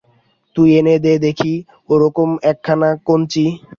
তুই এনে দে দেখি ওইরকম একখানা কঞ্চি!